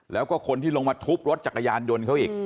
แล้วก็คนที่ลงมาทุบรถจักรยานยนต์เขาอีก